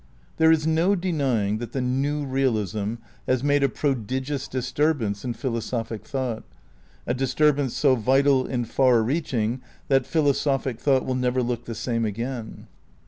There is no denying that the New Eealism has made a prodigious disturb ance in philosophic thought, a disturbance so vital and far reaching that philosophic thought will never look the same again.